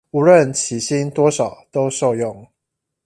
無論起薪多少都受用